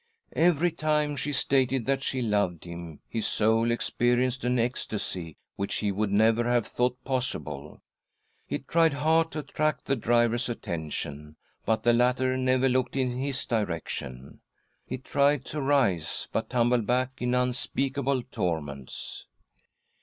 Every time she stated that she loved him, his soul experienced an ecstasy which he would never have thought possible. He tried hard to attract the driver's attention, but the latter never looked in his direcr tion. He tried to rise, but tumbled back in unspeakable torments.